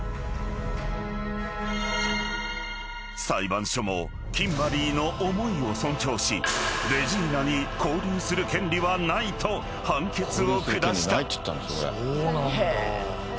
［裁判所もキンバリーの思いを尊重しレジーナに交流する権利はないと判決を下した］